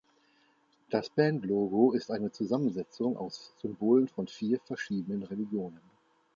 Das Bandlogo ist eine Zusammensetzung aus Symbolen von vier verschiedenen Religionen.